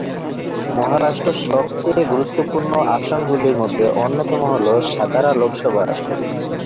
মহারাষ্ট্র সবচেয়ে গুরুত্বপূর্ণ আসনগুলির মধ্যে অন্যতম হল সাতারা লোকসভা আসন।